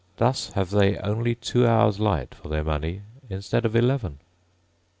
Thus have they only two hours' light for their money instead of eleven.